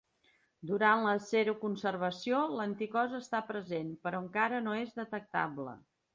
Durant la seroconversió, l'anticòs està present, però encara no és detectable.